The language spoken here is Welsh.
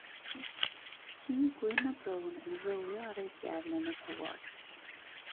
Ci gwyn a brown yn rowlio ar ei gefn yn y tywod.